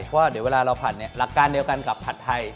เพราะว่าเดี๋ยวเวลาเราผัดเนี่ยหลักการเดียวกันกับผัดไทย